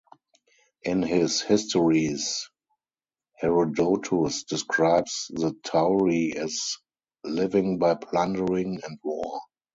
In his "Histories", Herodotus describes the Tauri as living "by plundering and war".